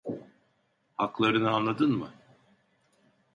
Haklarını anladın mı?